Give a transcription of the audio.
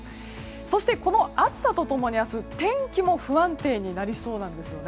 そして、この暑さと共に天気も不安定になりそうなんです。